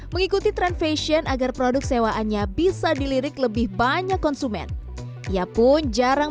mengikuti tren fashion agar produk sewaannya bisa dilirik lebih banyak konsumen ia pun jarang